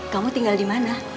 kamu tinggal dimana